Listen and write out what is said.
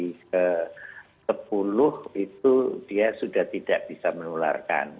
jadi kalau dari hari ke sepuluh itu dia sudah tidak bisa menularkan